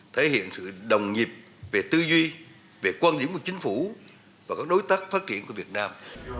thể hiện sự đồng nhịp về tư duy về quan điểm của chính phủ và các đối tác phát triển của việt nam